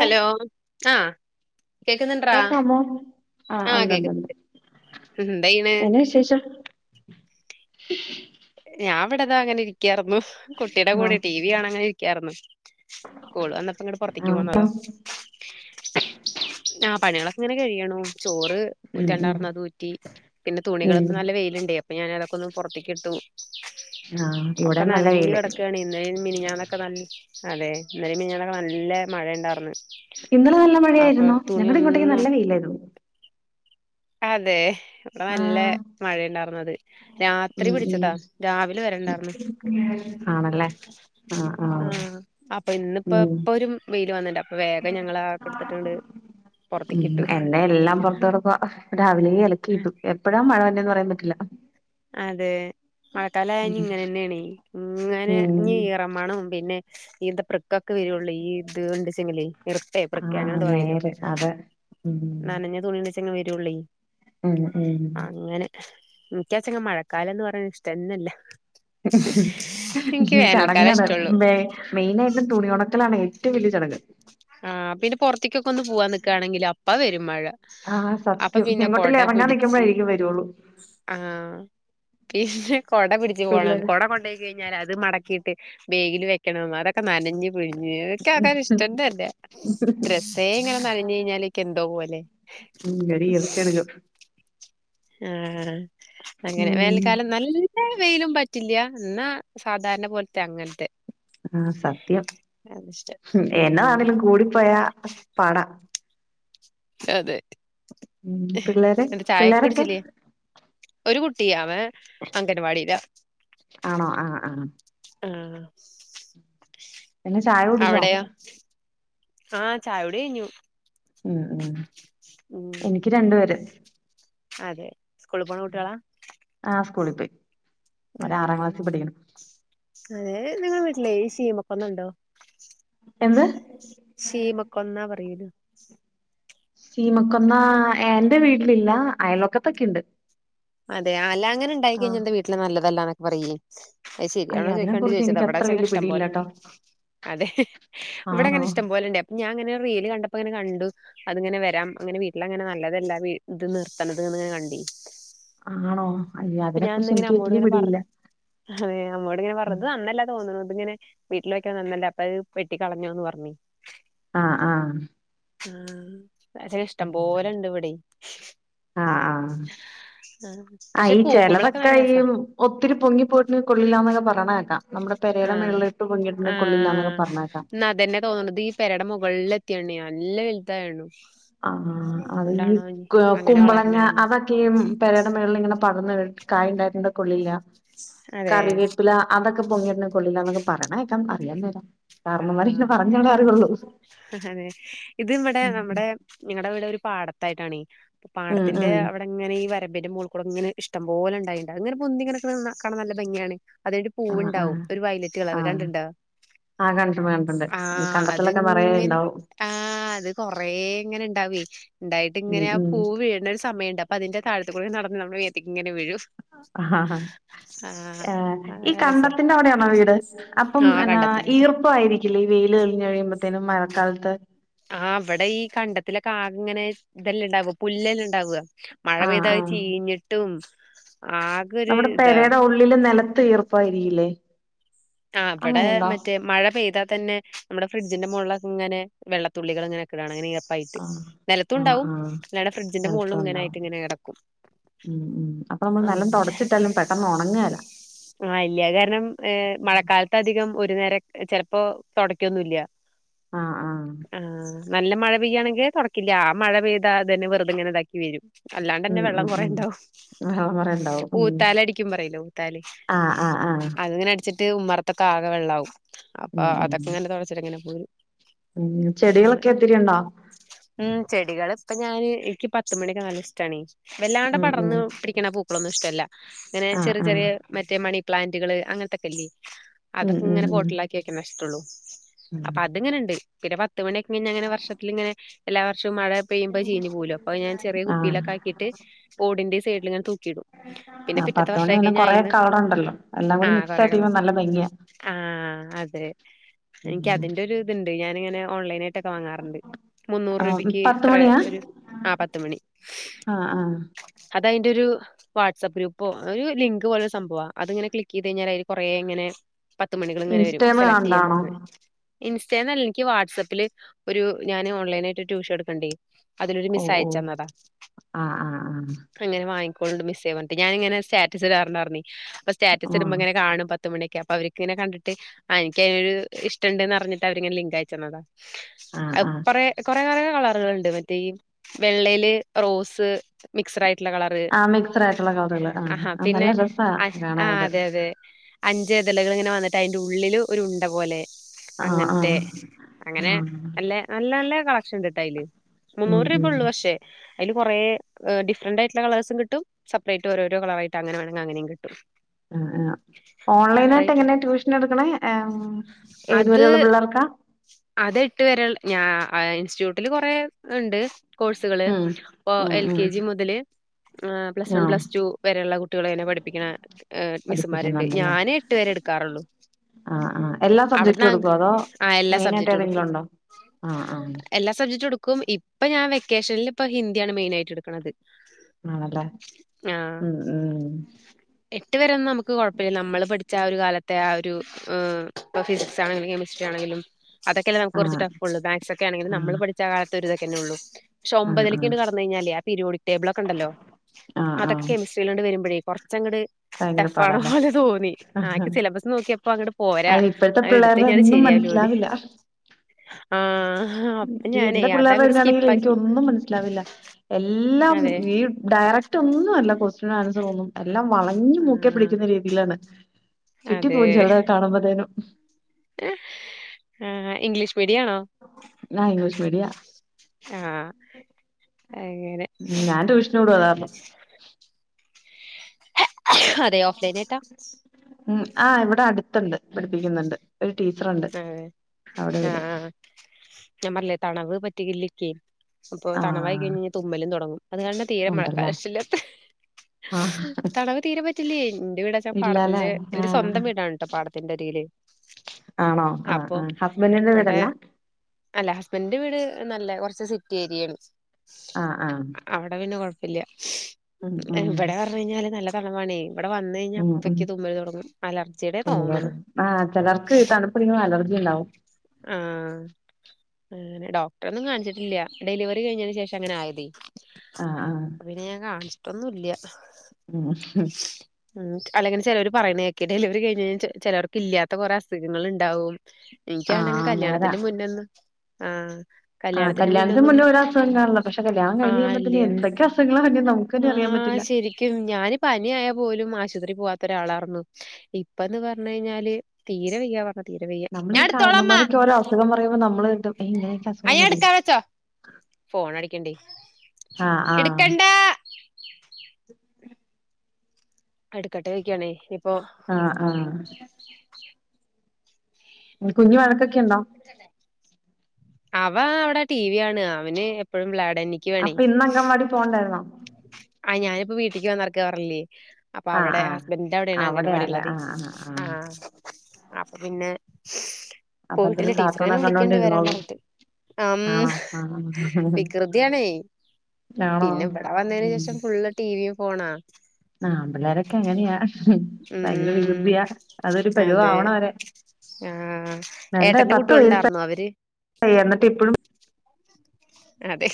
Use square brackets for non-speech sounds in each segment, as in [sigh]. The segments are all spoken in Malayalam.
ഹലോ ആഹ് കേക്കാമോ ആഹ് ഉണ്ടണ്ടണ്ട് കേക്കുന്നുണ്ട്. എന്തെയ്യ്ണ്? എന്നെ വിശേഷം ഞാൻ ഇവിടതാ അങ്ങനെ ഇരിക്കായിരുന്നു കുട്ടിയുടെ കൂടെ ആഹ് ടി വി ആണ അങ്ങനെ ഇരിക്കായിരുന്നു സ്ൂൾ വന്നപ്പോ ഇങ്ങോട്ട് പുറത്തേക്ക് ആഹ് ട്ടോ പോന്നതാ ആ പണികളൊക്കെങ്ങനെ കഴിയണോ ചോറ് ഉം ഉം ഊറ്റാണ്ടായിർന്ന അത് ഊറ്റി പിന്നെ ഉം തുണികളക്കെ നല്ല വെയിലുണ്ടപ്പ അപ്പ ഞാന അതൊക്കൊ ഒന്ന് പുറത്ത കിട്ടും ആഹ് ഒക്കെ ഇവിടെ നല്ല നനഞ്ഞു വെയില് കിടക്കയാണ് ഇന്നേം മിനഞ്ഞാനൊക്കെ നല്ല അതെ എന്നര്പോ ഞങ്ങളൊക്കെ നല്ല മഴയ ഉണ്ടായിർന്ന് ഇന്നലെ നല്ല മഴ ആയിരുന്നോ ഞങ്ങളുടെ ഇങ്ങോട്ടേക്ക് നല്ല വെയിലായിരുന്നു അതെ അവിടെ നല്ല ആഹ് മഴുണ്ടായിരുന്നു അത് രാത്രി ഉം പിടിച്ചതാ രാവിലെ വരണ്ടായിരുന്നു ആണല്ല ആഹ് അപ്പൊ ഇന്നിപ്പോ ഉം ഇപ്പ ഒരു വെയില് വന്നി വേഗം ഞങ്ങള് ആഹ് കെടുത്തിട്ടണ്ട് ഉം പൊറത്തേകിട്ടു എന്റെ എല്ലാം പൊറത്ത് കെടക്കുവാ രാവിലെ ഇലക്കി ഇട്ടും എപ്പഴാ മഴ വര്ണ് പറയാൻ പറ്റില്ല അതെ മഴക്കാല ഉം ഇങ്ങനെന്നെണൈ ഇങ്ങനെ ഉം ഇ ഇറമാണം പിന്നെ ന്നെ ഈത്ത പ്രക്കൊക്കെ വരുള്ളൂ ഈ ഇത്ണ്ട്ച്ചെങ്കി ഇറിക്കെ പൃക്കെ അങ്ങനെ ആഹ് എന്തോ പറയല്ലോ നേരെ അതെ നനഞ്ഞ തുണിയുടെ വരുള്ളി ആഹ് ഉം മിക്കച്ചങ്ങ മഴക്കാലം എന്ന് പറയനനത് ഇഷ്ടമില്ല വേനൽക്കാലം ചടങ്ങാണ് ഇഷ്ടള്ളൂ മെയിനായിട്ടും തുണി ഉണക്കലാണ് ഏറ്റവും വലിയ ചടങ്ങ് ആഹ് പിന്നെ പുറത്തിക്കൊക്കെ ഒന്ന് പോവാൻ നിക്കാണെങ്കിൽ അപ്പാ വരും മഴ ആഹ് അപ്പൊ സത്യം പിന്നെ കൊട എങ്ങോട്ടേലും എറങ്ങാൻ പിടിച്ച് നിക്കുമ്പോഴായിരിക്കും വരുള്ളൂ ആഹ് പിന്നെ കുട പിടിച്ച് പോണം പിള്ളേര് കൊട കൊണ്ട് പോയ്യി കഴിഞ്ഞാൽ അത് മടക്കിയിട്ട് ബേഗിൽ വെക്കണം അതൊക്കെ നനഞ്ഞ് കുഴിഞ്തൊക്കെ ആൾക്കാ ഇഷ്ടനനല [unintelligible] രസേ ഇങ്ങനെ നനഞ്ഞു കഴിഞ്ഞാലേക്കെ ന്തോ പോല്ലേ ഉം ഒരു ഈർച്ച എടുക്കും ആഹ് അങ്ങനെ ഉം വേനൽക്കാലം നല്ല വെയിലും പ പില്ല എന്നാ സാധാരണ പോലത്തെ അങ്ങനത്തെ ആഹ് സത്യം അതിഷ്ടം ഉം എന്നതാണെങ്കിലും കൂടിപ്പോയാ പാടാ അതെ ഉം പിള്ളേര് എന്റെ പിള്ളേരൊക്കെ ചായക്കോടിച്ചില്ലിയേ ഒരു കുട്ടിയ അവൻ അംഗൻവാടിയിലാ ആണോ ആഹ് ആഹ് ആഹ് പിനെ ചായ കുടിച്ചോ ആഹാ ചായകുടെയ്ഞു ഉം ഉം എനിക്ക് രണ്ടു പേര് അതെ സ്കൂൾ പോണ കുട്ടിയോളാ കുളിപ്പോയ് ആഹ് അതെ നിങ്ങ വീട്ടിലെയ് ഈ സീമക്കൊന്നുണ്ടോ എന്ത് ശീമകൊന്ന എന്ന് പറീലേ സീമക്കൊന്ന എൻ്റെ വീട്ടിലില്ല അയലൊക്കത്തൊക്കെയുണ്ട് അതെ അല്ല അങ്ങനെ ഉണ്ടായിക്കഴിഞ്ഞ എന്റെ വീട്ടില് നല്ലതല്ലാന്നക്കെ പറയിയ് അത് ശരിയാണോ അയ്യോ ചോയിചാൻ അതിനെ വേണ്ടി കുറിച്ച് ചോദിച്ചത എനിക്ക് അവിടാ അത്ര വച്ചക്കെ വലിയ ഇഷ്ടം പോലെ ഉണ്ട് പിടിയില്ലാട്ടോ. അതെ ആണോ? ഇവിടെങ്ങനെ ഇഷ്ടം പോലണ്ടേ അപ്പൊ ഞാൻ അങ്ങനെ റിയല് കണ്ടപ്പോ ഇങ്ങനെ കണ്ടു അത്ങ്ങനെ വരാം അങ്ങ നല്ലതല്ല ഇത് നിർത്തണത്ന്ന്ങ്ങനെ കണ്ടി [inaudible] ആണോ അയ്യോ അതിനെ കുറിച്ച് എനിക്ക് വല്ല്യ പിടിയില്ല അതേ അമ്മോടിങനെ പറഞു ഇത്നനനല തോന്നുന്നു ങ്ങനെ വീട്ടിലോക്കാ നന്നല്ല അപ്പൊ അത് വെട്ടി കളഞ്ഞോന്ന് പറഞ്ഞി ആഹ് ആഹ് ഉം അച്ച ഇഷ്ടം പോലെ ഇണ്ട് ഇവിടെ ആഹ് ആഹ ആഹ് ആ പക്ഷെ ഈ പൂക്കുമ്പളൊക്കെ ചെലതൊക്കെ നല്ല ഈ രസാ ഒത്തിരി പൊങ്ങി പോയിട്ട് കൊള്ളില്ലന്നൊക്കെ പറയണ് കേക്കാം നമ്മുടെ പെരേടെ ആഹ മേളിലിട്ട് പൊങ്ങിയിട്ടുണ്ടെങ്കിൽ ആഹ കൊള്ളില്ലാന്നൊക്കെ പറയണ കേക്കാം. എന്നാ അതന്നെ തോന്നുന്നത് ഈ പെടെ മുകളിൽ [unintelligible] ആ അത ഈ അതുകൊണ്ടാണോ ഇനി അങ്ങനെ വളരണ കുമ്പളങ്ങ കാരണം അതൊക്കെ പെരയുടെ മേളിൽ ഇങ്ങനെ പടർന്നു കഴി കായണ്ടായിട്ട കൊള്ളില്ല അതെ കറിവേപ്പില അതൊക്കെ പൊങ്ങിട കൊില്ലാൊക്കെ പറയണേകാം അറീയാൻമേല ആഹ അതെ ഇത് ഇവിടെ ഉം. നമ്മുടെ ഞങ്ങളടെ ഇവിടെ ഒരു പാടത്തായിട്ടാണ് ആണേ ഉം പാടത്തിന്റെ ഉം. അവിടെങ്ങനെ ഈ [unintelligible] മൂക്കൂട ഇങ്ങനെ ഇഷ്ട പോല ഉണ്ടായിുണ്ട് അങ്ങനെൊന്തിങ്ങനൊക്കെ നല്ല ഭംഗിയാണ് അതൊരു പൂവ ആഹ് ആഹ്. ഉണ്ടാവും ഒരു വയലറ്റ് കളർ കണ്ടുണ്ട ആ കണ്ടിട്ടുണ്ട് കണ്ടത്തിലൊക്കെ നെറയെ ഇണ്ടാവും ആ അത് കൊറെ ഇങ്ങനെ ഇണ്ടാവെ ഇണ്ടായിട്ട് ഉം ഇങ്ങനെ ഉം പൂ വീഴണ സമയണ്ട് അപ്പ അതിന്റെ താഴത്ത് പുഴു നടന്ന് നമ്മളെ മേത്ത്ക്ക്ങ്ങന വരും ആഹ ഹഹ അത് ആ ഈ നല്ല രസാ കണ്ടത്തിന്റെ അവിടെയാണോ വീട് അപ്പം ആഹ് എന്നാ കണ്ടത്തിന്റെ അടുത്താ ഈർപ്പ ആയിരിക്കില്ലേ ഈ വെയില് തെളിഞ്ഞ് കയുമ്പോഴത്തേനും മഴക്കാലത്ത് ആ വടെ ഈ കണ്ടത്തില് ആകെ ഇങ്ങനെ ഇതെല്ലാം ഇണ്ടാവു പുല്ലെല്ലാം ഇണ്ടാവ മഴ ആഹ് പെയ്താ അത് ചീഞ്ഞിട്ടും ആകെ ഒരു നമ്മടെ ഇതാ പെരേടെ ഉള്ളിലും നെലത്ത് ഈർപ്പായിരിക്കില്ലേ ആ വടെ മറ്റേ മഴ പെയ്താൽ തന്നെ നമ്മടെ ഫ്രിഡ് ജിന്റെ മോൾളെക്കെങ്ങനെ വെള്ളത്തുള്ളികൾങ്ങനെ നിക്കണ കാണാം പായിട്ട് ആഹ് ആഹ് നിലത്തുണ്ടാവും ആഹ് [unintelligible] ഫ്രിഡ്ജിന്റെ നിലത്തുണ്ടാവും മേൾളുങ്ങനായിട്ട്ങ്ങനൊ കെടക്കും ഉം ഉം അപ്പൊ നമ്മള് നെലം തെടച്ചിട്ടാലും പെട്ടെന്ന് ഒണങ്ങോല ആ ഇല്ല കാരണം ഏ മഴക്കാലത്ത് അധികം ഒരു നേരം ചെലപ്പോ തെടക്യന്നുല്ല ആ ആ നല്ല മഴ പെയ്യാണങ്കിൽ തെടക്കില്ല ആ മഴ പെയ്ത അതന്നെ വെറുതങ്ങനെ ഇതാക്കി വരും അല്ലാണ്ടന്നെ ഉം വെള്ളം ഉം ഉം കൊറെണ്ടാവും വെള്ളം നിറയെ ഉണ്ടാവും ഉം ഊത്താലടിക്കും പറയല്ലോ ഊത്താല് ആഹ് ആഹ് ആഹ് അത് അങ്ങനെ അടിച്ചിട്ട് ഉമ്മറത്തൊക്കെ ആകെ വെള്ളാവും അപ്പൊ ഉം ഉം അതൊക്കെ ഇങ്ങനെ തെടച്ചിട്ട് ഇങ്ങനെ പോരും ഉം അങ്ങനെ ചെടികളൊക്കെ ഒത്തിരി ഉണ്ടോ ഉം ചെടികൾ ഇപ്പൊ ഞാന് എനിക്ക് പത്തുമണിക്കള് നല്ല ഇഷ്ടാണ് വല്ലാണ്ട് ഉം ഉം പടർന്ന് പിടിക്കണ പൂ [unintelligible] ളൊന്നും ഇഷ്ടല്ല ഇങ്ങനെ ആഹ് ചെറ്യോ ആഹ് ചെറ്യോ മറ്റേ മണി പ്ലാന്റുകള് അങ്ങൻത്തെക്കെല്ലേ ഉം അതൊക്കെ ഉം ഇങ്ങനെ ഉം പോട്ടിലാക്കി വക്ണ ഇഷ്ടെള്ളു ഉം അപ്പൊ അത്ങ്ങനെണ്ട് പിന്നെ പത്ത് മണിക്കെങ്ങനെ വർഷത്തില്ങ്ങന എല്ലാവ വർഷം മഴ പെയ്യ്മ്പോ ചീഞ്ഞ് പോവൂലെ അപ്പ ഞാൻ ചെറിയ ആഹ് കുപ്പിലാക്കിയി്ട്ട് ഓടിന്റെ സൈഡില്ങ്ങനെ തൂക്കി ക്കിടും പിന്നെ ആഹ് പിറ്റത്തെ പത്തുമണി വർഷായി പിന്നെ കഴിഞ്ഞാൽ കൊറെ ആയ്ന്ന് കളറുണ്ടല്ലോ എല്ലാം ആ കൂടി മിക്സ് കൊറെേ ആയിട്ടിരിക്കുമ്പോ കള്ളസ് നല്ല ഭംഗിയാ ആ അതെ എനിക്ക് ഉം അതിന്റെ ഒരു ഇത്ണ്ട് ഞാനിങ്ങനെ ഓൺലൈനായിട്ട് [unintelligible] വാങ്ങാറ്ണ്ട് മുന്നൂറ് ആഹ് രൂപയ്ക്ക് പത്ത് ഇത്ര മണിയാ ഒരു ആ പത്തുമണി ആഹ ഇതയിന്റെരു വാട്സ്ആപ്പ് ഗ്രൂപ്പേ ഒര്ലിങ്ക് പോലെ സംഭവ അത്ങ്ങനെ ക്ലിക്ക് ചെയ്തഴിഞ്ഞാല് കൊറെ ഇങ്ങനെ പത്ത് മണികള്ങ്ങനെ വരും ഇൻസ്റ്റേന്ന് സെലക്ട് ചെയ്യാ കണ്ടാണോ [unintelligible] ഇൻസ്റ്റയിൽന്നല്ല എനിക്ക് വാട്സപ്പില് ഒരു ഞാന് ഓൺലൈനായിട്ട് ട്യൂഷൻ എടുക്ക്ണ്ടോ അതിലൊരു ഓഹ് ഓഹ് മിസ്സയച്ചന്നതാ ആഹ് ആഹ് അങ്ങനെ വാങ്ങി ഇപ്പളുണ്ട് മിസ്സേ പറഞ്ഞിട്ട് ഞാന്ങ്ങനെ സ്‌റ്റാറ്റസ് ഇടാറ്ണ്ടായിര്ന്നേ അപ്പൊ ആഹ് ആഹ് സ്റ്റാറ്റസിടുമ്പോ ഇങ്ങനെ കാണും പത്തുമണിക്കെ അപ്പ അവര്ക്കങ്ങനെ കണ്ടിട്ട് ഇനിക്ക് അയിനൊരു ഇഷ്ടണ്ട്ന്നറിഞ്ഞിട്ട് അവരിങ്ങനെ ലിങ്ക് അയച്ചന്നതാ ആഹ് ആഹ് അപ്പറെ പലെ പലേ കളറ്കള്ണ്ട് മറ്റേ ഈ വെള്ളേല് റോസ് മിക്സടായി ആ മിക്സടായിട്ടുള്ള കളറുകള് ആ നല്ല രസ ആ അതെ അതെ അഞ്ച് ഇതലകള് ഇങ്ങനെ വന്നിട്ട് അതിന്റെ ഉള്ളില് ഒരു ഉണ്ട പോലെ ആഹ് അങ്ങനത്തെ ആഹ് അങ്ങനെ ആഹ് നല്ല നല്ല നല്ല [unintelligible] ഉം മുന്നൂറ് രൂപ ഉം ഒള്ളു പക്ഷേ അയില് കൊറേ ഡിഫറന്റായിട്ട്ള്ള കളേഴ്സും കിട്ടും സെപ്പറേറ്റ് ഓരോരോ കളറായിട്ട് അങ്ങനെ വേണങ്ക അങ്ങനിം കിട്ടും. ആ ആ പല റേറ്റ് ഓൺലൈനായിട്ടെങ്ങനെ ട്യൂഷനെട്ക്ക്ണേ എ അത് ഏതുവരെയുള്ള പിള്ളേർക്കാ? അത് എട്ട് വരെ ഞാ ഇൻസ്റ്റിറ്റ്യൂട്ടില് കൊറെ ഇണ്ട് കോഴ്സുകള് ഉം ഇപ്പൊ ഉം എൽ ഉം കെ ജി മുതല് ഏ പ്ലസ് വൺ ആഹ് പ്ലസ് ടു വരെള്ള കുട്ടിളെനെ പഠിപ്പിക്ക്ണേ ഏ മിസ്സുമാര്ണ്ട് പഠിപ്പിക്കുന്നുണ്ടല്ലേ ഞാന് എട്ടവരെ എട്ക്കാറൊള്ളു ആ ആ എല്ലാ സബ്ജക്റ്റും എടുക്കോ? അതോ ആ എല്ലാ മെയിനായിട്ട് സബ്ജക്റ്റും എടുക്കും. ഏതെങ്കിലുണ്ടോ? ആഹ ആ [unintelligible] ടുക്കും ഇപ്പ ഞാൻ വെക്കേഷനിലിപ്പോ ഹിന്ദിയാണ് മെയിനായിട്ട് ഇട്ക്ക്ണത്. ആണല്ലേ ഉം ഉം അതിനൊന്നും നമ്മക്ക് കൊഴപ്പല്ല നമ്മള് പഠിച്ച ആ ഒരു കാലത്തെ ആ ഒരു ഏഹ് ഇപ്പം ഫിസിക്സാണെങ്കിലും കെമസ്ട്രി യാണെങ്കിലും അതൊക്കെല്ലേ നമ്മക്ക് കൊറച്ച് ആഹ് റ്റഫൊള്ളു മാത്‍സൊക്കെണെങ്കിലും നമ്മള് ആഹ് പഠിച്ച കാലത്തെ ഒരിതൊക്കെന്നൊള്ളു പക്ഷെ ആഹ് ആഹ് ഒൻപത്തിലേക്കങ്ങട് കടന്നകഴിഞ്ഞാല് ല്ലേ ആ പിരിയോടിക് ടേബിളൊക്കണ്ടല്ലോ ആഹ് അതൊക്കെ ആഹ് കെമിസ്ട്രിലാണ്ട്‌ വരുമ്പഴേ കൊറച്ചങ്ങട് ഭയങ്കര പാടാല്ലേ റ്റഫാണപോലെ തോന്നി ആ ഇക്ക് സിലബസ് നോക്കിയപ്പോ അങ്ങട്ട് പോരാ അയിന് ഇപ്പഴത്തെ ആ എട്ത്ത് പിള്ളേരുടെ കഴിഞ്ഞാ [unintelligible] ഒന്നും ശെരിയായി മനസ്സിലാവില്ല ആഹ് അപ്പൊ ഈ ഞാനേ എന്റെ അതങ്ങട് പിള്ളേർടെന്നെയാണെങ്കില് സ്കിപ്പാക്കി. എനിക്കൊന്നും മനസ്സിലാവില്ല എല്ലാം അതെ ഈ ഡ കറക്റ്റൊന്നുഅല്ല കൊസ്റ്റ്യാൻ ആൻസറൊന്നും എല്ലാം വളഞ്ഞ് മൂക്കെ ആഹ് പിടിക്ക്ന്ന രീതിയിലാണ് ചുറ്റിപോവും ചെലതെക്കെ കാണുമ്പത്തേനും. [unintelligible] ആ ഇംഗ്ലീഷ് മീഡിയാണോ? ഞാൻ ഇംഗ്ലീഷ് ആ മ് ഞാൻ ട്യൂഷന്‌ വിടും അത്കാരണം അതെ ഓഫ് ലൈനായിട്ടാ? ഉം ആ ഇവടെ അട്ത്ത്ണ്ട് പഠിപ്പിക്കുന്നുണ്ട് ഒരു ടീച്ചറുണ്ട് അവ്ടെ വെരും ഞ്ഞാംപറഞ്ഞില്ലേ തണവ് പറ്റികില്ല്യക്കേ അപ്പൊ തണവായി ആഹ് കഴിഞ്ഞഴിഞ്ഞാ തുമ്മലും തൊടങ്ങും അത് കാരണ തീരെ ഉണ്ടല്ലേ മഴക്കാലഷ്ടല്ലാത്തേ ആഹ് തണവ് തീരെ പറ്റില്ല്യാ? ഇന്റെ വീടാച്ചാ ഇല്ലാല്ലേ പാടത്തിന്റെ എന്റെ ആഹ് സ്വന്തം വീടാണ് ട്ടോ പാടത്തി [unintelligible] ആണോ ആഹ് അപ്പൊം ആഹ് ഹസ്ബൻഡിന്റെ ഇവടെ വീടല്ല അല്ല ഹസ്ബൻഡിന്റെ വീ ട് നല്ല കൊറച്ച് സിറ്റി ഏരിയാണ് ആ ആ ഇല്ല്യ ഇബടെറഞ്ഞ്ഴിഞ്ഞാല് നല്ല തണവാണേ ഇവടെ വന്നഴിഞ്ഞാ ഉം ഉം അപ്പയ്ക്കി തുമ്മല്തൊടങ്ങും അലർജിടെ തോന്നണ് ആഹ ചെലർക്ക് തണുപ്പടിക്കുമ്പോ അലർജിയിണ്ടാവും ആഹ് അങ്ങനെ ഡോക്ടറൊന്നും കാണിച്ചിട്ടില്ല ഡെലിവറി കഴിഞ്ഞന് ശേഷം അങ്ങനെ ആയതെ ആഹ് ആഹ് പിന്നെ ഞാൻ കാണിച്ചിട്ടൊന്നുല്യാ ഉം ഉം അല്ലങ്ങനെ ചെലോര് പറയ്ണേക്കെ ഡെലിവറി കഴിഞഴിഞ്ഞാ ചെലോ ചേലോർക്കില്യാത്ത കൊറേ അസുഖങ്ങള്ണ്ടാവും ഇക്യാണങ്കി ആഹ് നേരാ കല്യാണത്തിന്റെ മുന്നൊന്നും ആ ആഹ് കല്യാണത്തിന് മുന്നേ ഓരസുഖക്കാണുല്ലാ പക്ഷെ കല്യാണം ആഹ് ഇല്ല കഴിഞ്ഞരുമ്പോത്തിന് എന്തൊക്കെ അസുഖങ്ങളാ വര്ണേ നമ്മക്കെന്നെ അറിയാം ആഹ് ശെരിക്കും ഞാന് പനിയായ പോലും ആശുപത്രി പോവാത്തൊരാളാർന്നു ഇപ്പന്ന് പറഞ്ഞഴിഞ്ഞാല് തീരെ വെയ്യ പറഞ്ഞ തീരെ വെയ്യ [inaudible] നമ്മളിയൊക്കെ ഓരോ അസുഖം പറയുമ്പോ നമ്മള് കെരുതും ഏഹ് ഇങ്ങനെയൊക്കെ അസുഖം വരോ? ഫോണടിക്കിണ്ടേ ആഹ് ആഹ് ഇട്ക്കണ്ടാ അട്ക്കട്ടെ വെക്കണേ ആഹ് ആഹ് കുഞ് വഴക്കൊക്കെ ഉണ്ടോ അവ അവിടെ ടി വി കാണാ അവന് എപ്പോഴും ബ്ലാ എ പനിക്യുവാണേ അപ്പൊ ഇന്ന് അങ്കൻവാടി പോണ്ടായിരുന്നോ ആ ഞാനിപ്പോ വീട്ടക്ക് വന്നർക്ക പറഞ്ഞില്ലേ അപ്പൊ ആഹ് അവിടെ ആഹ് ഹസ്ബൻഡന്റെ അവിടെയാണ് അംഗൻവാടി അവിടെയാല്ലേ ഇള്ളതെയ് ആഹ് ആഹ് ആഹ് അപ്പൊ പിന്നെ പോയിട്ടില്ല അപ്പഴത്തേനും ടീച്ചറിങ്ങനെ കാർട്ടൂണൊക്കെ വിളിക്കിണ്ട് വരാൻ കണ്ടോണ്ടിരുന്നോളും പറഞ്ഞിട്ട് ആം ആണോ ആഹ് വികൃതിയാണേ ആണോ പിന്നെ ഇവിടെ വന്നയിന് ശേഷം ഫുള്ള് ടിവിയും ഫോണാ ആ പിള്ളേരൊക്കെ അങ്ങനെയാ ഹും ഭയങ്കര ഉം വികൃതിയാ അതൊരു അതെ പരുവവണ വരെ ആ എന്റെ ഏട്ടന്റെ പത്തു കുട്ടികളുണ്ടായിരുന്നോ അവര് വയസായി എന്നിട്ട് ഇപ്പഴും അതെ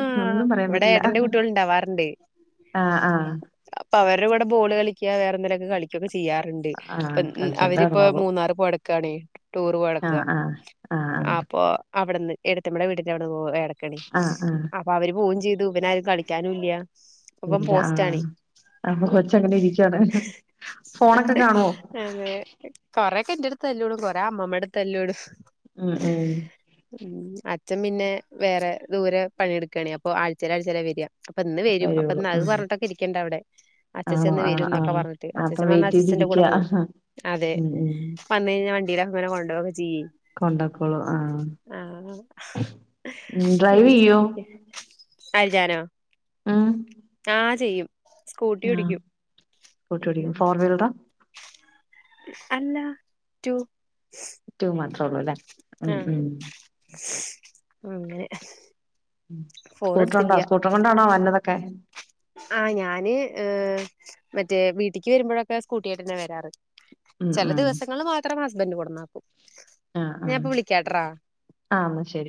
ആ ഒന്നും പറയാൻ ഇവിടെ പറ്റില്ല ഏട്ടന്റെ കൂട്ടികൾ ഇണ്ടാവാറുണ്ട് ആഹ് ആഹ് അപ്പൊ അവർടെ കൂടെ ബോള് കളി കിക്ക വേറെ എന്തെലുമൊക്കെ കളിക്കുകൊക്കെ ചെയ്യാറുണ്ട് ആഹ് ഇപ്പം അവരിപ്പ കളിച്ചോണ്ടായിരുന്നോളും മൂന്നാറ് പോയിരിക്കാണ് ടൂർ പോയ്ക്കാ ആഹ് ആഹ് ആഹ് ആഹ് അപ്പൊ അവിടെന്ന് എടത്തമ്മളെ വീട്ടിൽ അവിടെന്ന് പോ എടക്കണി ആഹ് ആഹ് അപ്പൊ അവര് പോവയും ചെയ്തു പിന്നെ ആരും കളിക്കാനും ഇല്ല കളിക്കാനും ഇല്ല ഇല്ല ആഹ ആമ്മ കൊച്ച അങ്ങനെ ഇരിക്കയാണ് ഫോണൊക്കെ കാണുവോ എന്റെടുത്ത്ല്ലൂടും കുറേ അമ്മമയുടെക്കുെടെത്തല്ലോടും ആഹ ആഹ അച്ഛൻ പിന്നെ വേറെ ദൂരെ പണിയെടുക്കുകയാണെങ്ക അപ്പൊ ആഴ്ചയില ആഴ്ചാല വരിക അപ്പൊ ഇന്ന് വരും അപ്പൊ വരുള്ളൂ ഇന്ന് അത് ഉം പറഞ്ഞിട്ടൊക്കെ ഇരിക്കേണ്ട അവിടെ അച്ചച്ചൻ വരും എന്നൊക്കെ പറഞ്ഞിട്ട് അച്ചച്ചൻ വനാൽ അച്ച ആഹ അതെ വന്ന കഴിഞ്ഞാൽ വണ്ടിൽ അങ്ങനെ കൊണ്ടു പോകും കൊണ്ടാക്കോളൂ ആഹ ആഹ് ഉ ഡ്രൈവ് ചെയ്യോ അൽ ഉം ആഹ ചെയ്യും സ്കൂട്ടി ആഹ് ഓടിക്കും സ്കൂട്ടി ഓടിക്കും ഫോർ വീലറാ അല്ലാ മാത്രം ഉള്ളൂ അല്ലേ ആഹ് അങ്ങനെ ഫോർ സ്കൂട്ടർുണ്ടോ സ്കൂട്ടർ കൊണ്ടാണോ വരന്നതൊക്കെ ആഹ ഞാന് മറ്റേ വീട്ടിക്ക് വരുമ്പോഴൊക്കെ സ്കൂട്ടിയയിട്ട് തന്നെ വരാറ് ഉം ചില ഉം ദിവസങ്ങള്ൾ മാത്രം ഹസ്ബന്ഡ് കൊടുന്നക്കും ആഹ് ആഹ് ഞാനിപ്പോ വിളിക്കാട്ടാ ആഹ് എന്നാ ശരി